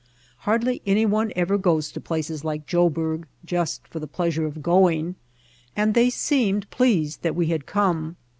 Hardly any one ever goes to places like Joburg just for the pleasure of going, and they seemed pleased that we had come.